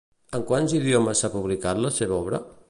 En quants idiomes s'ha publicat la seva obra?